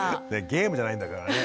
ゲームじゃないんだからね。